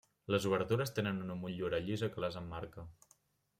Les obertures tenen una motllura llisa que les emmarca.